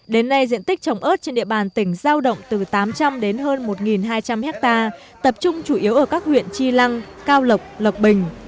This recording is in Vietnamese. đến nay diện tích trồng ớt trên địa bàn tỉnh giao động từ tám trăm linh đến hơn một hai trăm linh hectare tập trung chủ yếu ở các huyện chi lăng cao lộc lộc bình